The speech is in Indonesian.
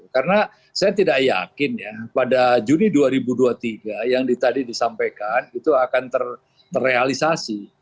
karena saya tidak yakin ya pada juni dua ribu dua puluh tiga yang tadi disampaikan itu akan terrealisasi